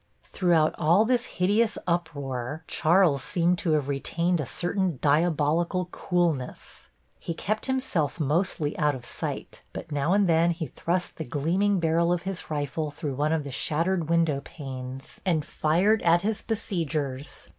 Throughout all this hideous uproar Charles seems to have retained a certain diabolical coolness. He kept himself mostly out of sight, but now and then he thrust the gleaming barrel of his rifle through one of the shattered window panes and fired at his besiegers.